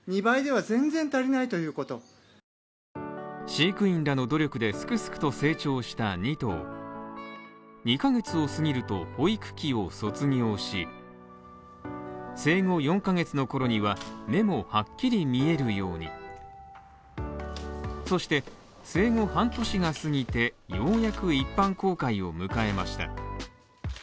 飼育員らの努力ですくすくと成長した２頭２ヶ月を過ぎると保育器を卒業し、生後４ヶ月の頃には目もはっきり見えるようにそして生後半年が過ぎてようやく一般公開を迎えました。